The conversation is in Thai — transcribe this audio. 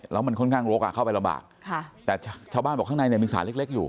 แล้วมันค่อนข้างรกอ่ะเข้าไปลำบากแต่ชาวบ้านบอกข้างในเนี่ยมีสารเล็กอยู่